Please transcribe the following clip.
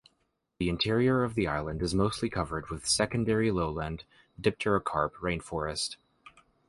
The interior of the island is mostly covered with secondary lowland Dipterocarp rainforest.